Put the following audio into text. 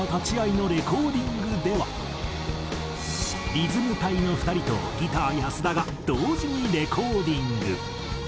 リズム隊の２人とギター安田が同時にレコーディング。